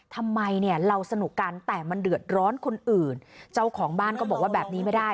ทำไมเนี่ยเราสนุกกันแต่มันเดือดร้อนคนอื่นเจ้าของบ้านก็บอกว่าแบบนี้ไม่ได้